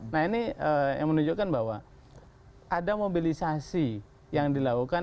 nah ini yang menunjukkan bahwa ada mobilisasi yang dilakukan